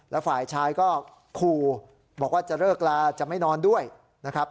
แล้วฝ่ายชายก็ขู่บอกว่าจะเลิกลาจะไม่นอนด้วยนะครับ